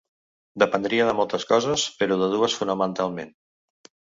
Dependria de moltes coses però de dues fonamentalment.